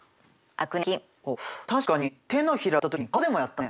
あっ確かに手のひらでやった時に顔でもやったね。